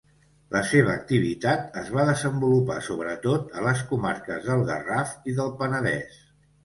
La seva activitat es va desenvolupar sobretot a les comarques del Garraf i del Penedès.